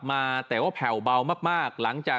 บุตรปลาการฮะ